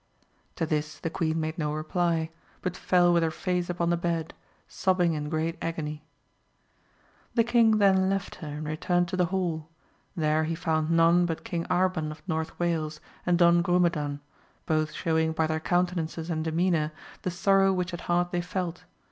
To this the queen made no reply, but fell with her face upon the bed, sobbing in great agony. The king then left her "and returned to the hall; there he found none but King Arban of North Wales, and Don Grumedan, both showing by their counte nances and demeanour the sorrow which at heart they felt.